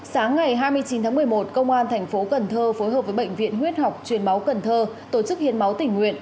sáng ngày hai mươi chín tháng một mươi một công an thành phố cần thơ phối hợp với bệnh viện huyết học truyền máu cần thơ tổ chức hiến máu tỉnh nguyện